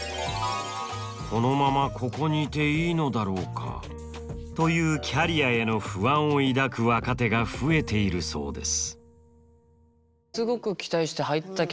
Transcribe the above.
このままここにいていいのだろうかというキャリアへの不安を抱く若手が増えているそうです。